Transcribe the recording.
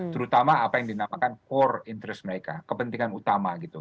terutama apa yang dinamakan core interest mereka kepentingan utama gitu